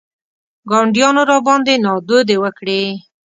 ګاونډیانو راباندې نادودې وکړې.